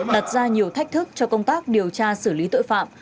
đặt ra nhiều thách thức cho công tác điều tra xử lý tội phạm